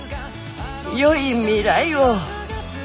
よい未来を。